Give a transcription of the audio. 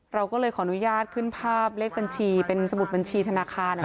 เราก็เลยขออนุญาตขึ้นภาพเลขบัญชีเป็นสมุดบัญชีธนาคาร